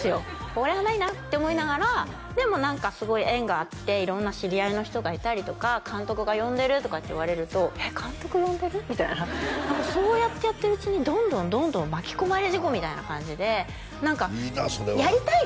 これはないなって思いながらでも何かすごい縁があって色んな知り合いの人がいたりとか監督が呼んでるとかって言われるとえっ監督呼んでる？みたいなそうやってやってるうちにどんどんどんどん巻き込まれ事故みたいな感じで何かやりたい